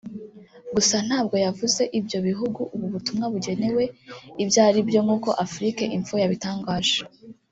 Gusa ntabwo yavuze ibyo bihugu ubu butumwa bugenewe ibyo aribyo nk’ uko Afrique info yabitangaje